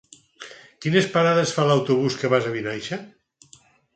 Quines parades fa l'autobús que va a Vinaixa?